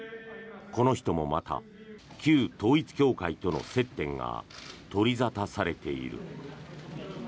この人もまた旧統一教会との接点が取り沙汰されている。